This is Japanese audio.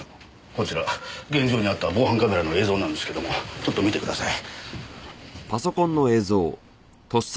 こちら現場にあった防犯カメラの映像なんですけどもちょっと見てください。